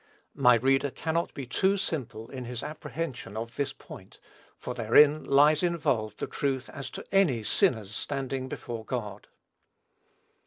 My reader cannot be too simple in his apprehension of this point, for therein lies involved the truth as to any sinner's standing before God.